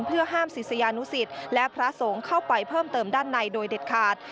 เพื่อห้ามศิษยานุสิตและพระสงฆ์เข้าไปเพิ่มเติมด้านในโดยเด็ดขาด